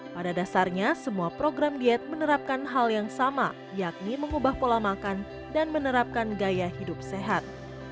pada dasarnya semua program diet menerapkan hal yang sama yakni mengubah pola makan dan menerapkan gaya hidup sehat